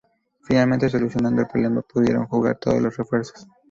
Finalmente solucionado el problema, pudieron jugar todos los refuerzos.